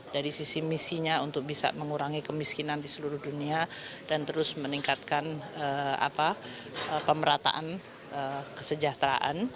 dari sisi misinya untuk bisa mengurangi kemiskinan di seluruh dunia dan terus meningkatkan pemerataan kesejahteraan